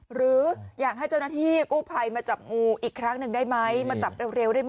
หรืออยากให้เจ้าหน้าที่กู้ภัยมาจับงูอีกครั้งหนึ่งได้ไหมมาจับเร็วได้ไหม